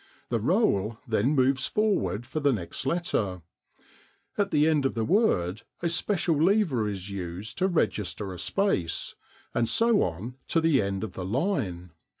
The roll then moves forward for the next letter. At the end of the word a special lever is used to register a space, and so on to the end of the line.